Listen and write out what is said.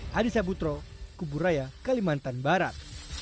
hadi sabutro kuburaya kalimantan barat